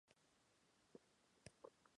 Su nombre es en honor al expresidente chileno.